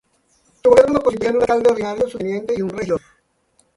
Su gobierno lo constituían un alcalde ordinario, su teniente y un regidor.